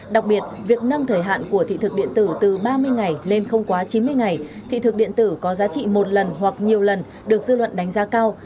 đặc biệt việc nâng thời hạn của thị thực điện tử từ ba mươi ngày lên không quá chín mươi ngày thị thực điện tử có giá trị một lần hoặc nhiều lần được dư luận đánh giá cao